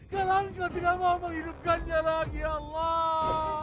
kalahkan kau tidak mau menghidupkannya lagi ya allah